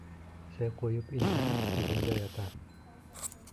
Сәй ҡуйып инһәм... иҙәндә ята...